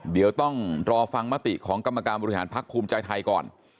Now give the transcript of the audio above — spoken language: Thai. เดี๋ยวต้องรอฟังมติของกรรมการบริหารพักภูมิใจไทยก่อน